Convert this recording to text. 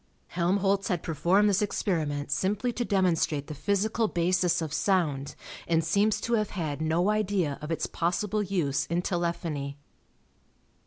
Helmholtz had performed this experiment simply to demonstrate the physical basis of sound, and seems to have had no idea of its possible use in telephony.